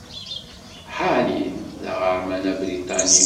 Harry d aɣerman abriṭani.